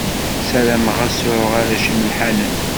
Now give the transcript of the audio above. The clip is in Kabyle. Sarameɣ ad sɛuɣ arrac imelḥanen.